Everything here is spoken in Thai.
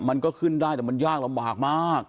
มันก็ขึ้นได้แต่มันยากลำบากมาก